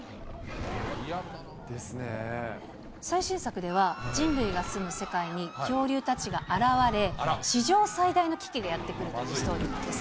最新作では、人類が住む世界に恐竜たちが現れ、史上最大の危機がやって来るというストーリーです。